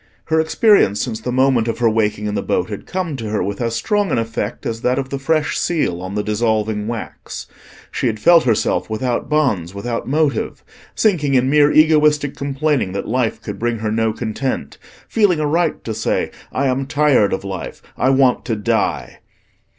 Her experience since the moment of her waking in the boat had come to her with as strong an effect as that of the fresh seal on the dissolving wax. She had felt herself without bonds, without motive; sinking in mere egoistic complaining that life could bring her no content; feeling a right to say, "I am tired of life, I want to die."